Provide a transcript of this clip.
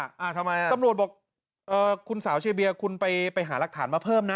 ทำไมอ่ะตำรวจบอกเอ่อคุณสาวเชียเบียคุณไปไปหารักฐานมาเพิ่มนะ